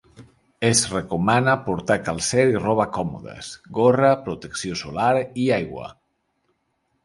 És recomana portar calcer i roba còmodes, gorra, protecció solar i aigua.